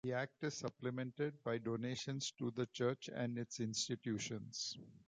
The act is supplemented by donations to the Church and its institutions.